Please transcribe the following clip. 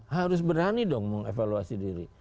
harus berani dong mau evaluasi diri